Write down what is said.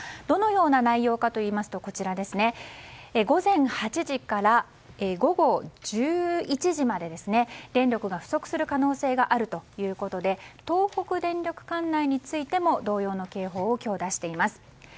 どのような内容かというと午前８時から午後１１時まで電力が不足する可能性があるということで東北電力管内についても同様の警報を今日、出しています。